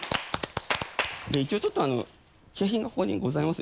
一応ちょっと景品がここにございます。